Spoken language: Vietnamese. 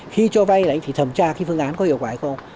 khi cho vay thì thẩm tra cái phương án có hiệu quả hay không